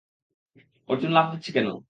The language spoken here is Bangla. অর্জুন লাফ দিচ্ছে কেন?